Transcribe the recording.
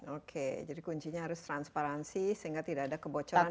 oke jadi kuncinya harus transparansi sehingga tidak ada kebocoran